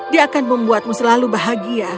dia akan membuatmu selalu bahagia